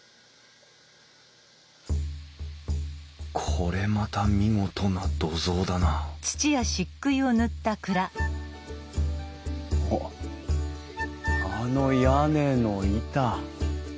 これまた見事な土蔵だなおっあの屋根の板。